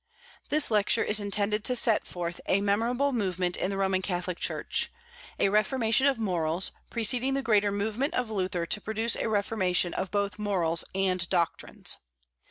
This lecture is intended to set forth a memorable movement in the Roman Catholic Church, a reformation of morals, preceding the greater movement of Luther to produce a reformation of both morals and doctrines.